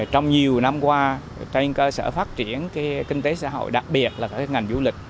trong nhiều năm qua trên cơ sở phát triển kinh tế xã hội đặc biệt là các ngành du lịch